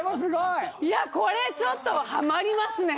いやこれちょっとハマりますね！